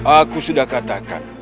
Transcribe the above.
aku sudah katakan